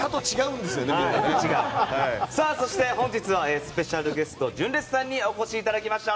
そして本日はスペシャルゲスト、純烈さんにお越しいただきました。